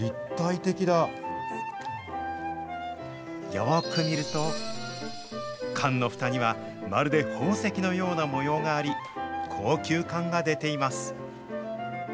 よーく見ると、缶のふたにはまるで宝石のような模様があり、高級感が出ています。